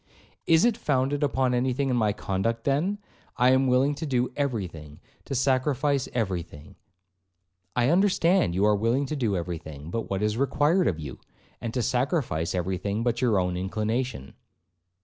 'Is it founded upon any thing in my conduct, then?—I am willing to do every thing,—to sacrifice every thing.'—'I understand,—you are willing to do every thing but what is required of you,—and to sacrifice every thing but your own inclination.'